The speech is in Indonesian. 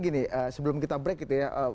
gini sebelum kita break gitu ya